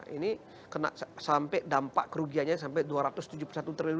ini sampai dampak kerugiannya sampai dua ratus tujuh puluh satu triliun